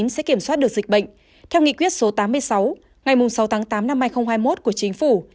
sẽ kiểm soát được dịch bệnh theo nghị quyết số tám mươi sáu ngày sáu tháng tám năm hai nghìn hai mươi một của chính phủ